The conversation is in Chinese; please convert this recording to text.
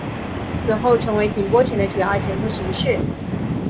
此后成为停播前的主要节目形式。